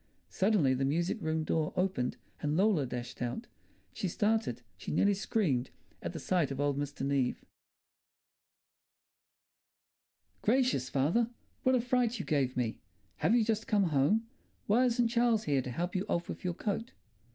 Suddenly the music room door opened and Lola dashed out. She started, she nearly screamed, at the sight of old Mr. Neave. "Gracious, father! What a fright you gave me! Have you just come home? Why isn't Charles here to help you off with your coat?"